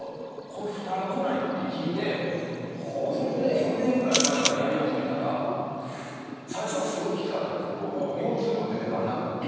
４年ぐらい前からやり始めたら最初はすごいきつかったんですけど腰痛とか全然ならなくなって。